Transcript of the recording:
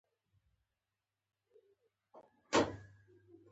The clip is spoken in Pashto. پرېوتم، د سیند د وحشي څپو غږ او باران ته غوږ شوم.